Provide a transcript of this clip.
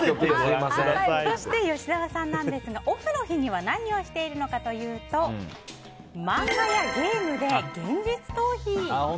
吉沢さんですがオフの日には何をしてるかというと漫画やゲームで現実逃避。